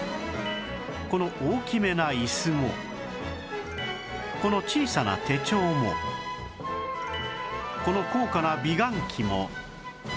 この大きめなイスもこの小さな手帳もこの高価な美顔器も